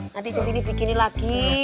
nanti centini bikinin lagi